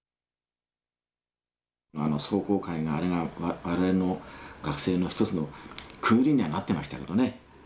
あの壮行会があれが我々の学生の一つの区切りにはなってましたけどね。